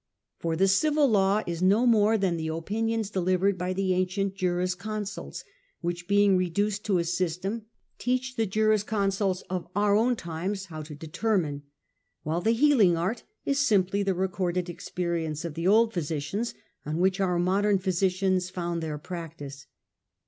For the civil law is no more than the opinions delivered by the ancient jurisconsults, which, being reduced to a system, teach the jurisconsults of our own times how to determine; while the healing art is simply the recorded experience of the old physicians, on which our modern physicians found their practice.